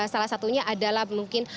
salah satunya adalah mungkin